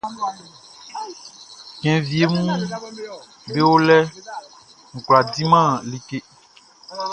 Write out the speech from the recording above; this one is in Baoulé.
Cɛn wieʼm be o lɛʼn, n kwlá diman like.